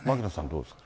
どうですか。